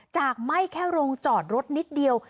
ไหม้แค่โรงจอดรถนิดเดียว